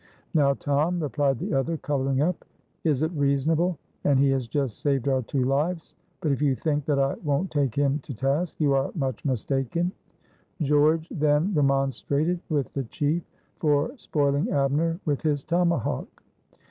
"Now, Tom," replied the other, coloring up, "is it reasonable, and he has just saved our two lives? but if you think that I won't take him to task, you are much mistaken." George then remonstrated with the chief for spoiling Abner with his tomahawk.